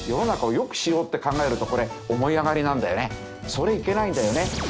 それいけないんだよね。